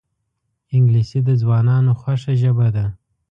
انګلیسي د ځوانانو خوښه ژبه ده